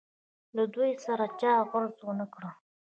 له دوی سره چا غرض ونه کړ.